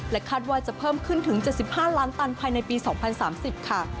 คาดว่าจะเพิ่มขึ้นถึง๗๕ล้านตันภายในปี๒๐๓๐ค่ะ